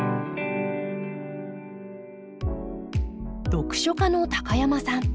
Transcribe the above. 読書家の高山さん。